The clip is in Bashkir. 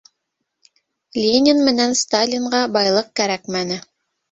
Ленин менән Сталинға байлыҡ кәрәкмәне.